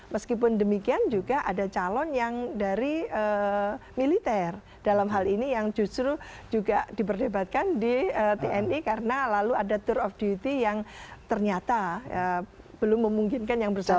meskipun demikian juga ada calon yang dari militer dalam hal ini yang justru juga diperdebatkan di tni karena lalu ada tour of duty yang ternyata belum memungkinkan yang bersangkutan